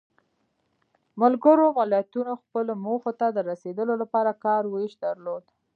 ملګرو ملتونو خپلو موخو ته د رسیدو لپاره کار ویش درلود.